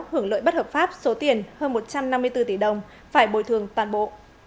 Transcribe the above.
hưởng lợi bất hợp pháp số tiền hơn một trăm năm mươi bốn tỷ đồng phải bồi thường toàn bộ